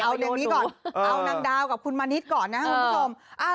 เอานางดาวกับคุณมณิศก่อนนะคุณผู้ชม